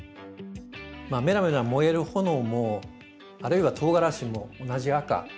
めらめら燃える炎もあるいはとうがらしも同じ赤。